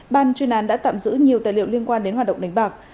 ban chuyên án đã tạm giữ nhiều tài liệu liên quan đến hoạt động đánh bạc